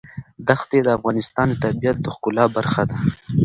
دښتې د افغانستان د طبیعت د ښکلا برخه ده.